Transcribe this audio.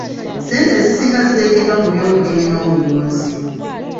Ssente ezisinga ziteekeddwa mu byobulimi n'obulunzi.